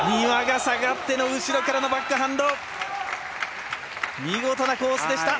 丹羽が下がっての後ろからのバックハンド。